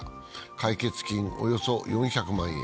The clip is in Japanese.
解決金およそ４００万円。